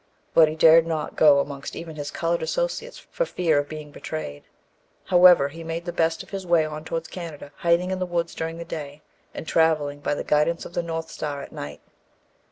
But he dared not go amongst even his coloured associates for fear of being betrayed. However, he made the best of his way on towards Canada, hiding in the woods during the day, and travelling by the guidance of the North Star at night.